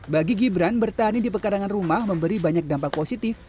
bagi gibran bertani di pekarangan rumah memberi banyak dampak positif